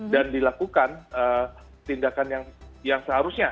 dan dilakukan tindakan yang seharusnya